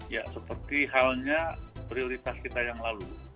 ya seperti halnya prioritas kita yang lalu